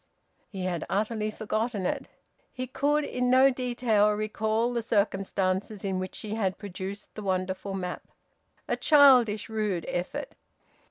He had utterly forgotten it. He could in no detail recall the circumstances in which he had produced the wonderful map. A childish, rude effort!